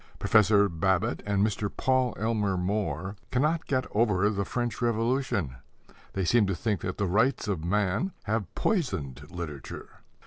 Professor Babbitt and Mr. Paul Elmer More cannot get over the French Revolution. They seem to think that the rights of man have poisoned literature.